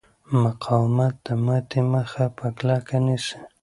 مقاومت د ماتې مخه په کلکه نیسي.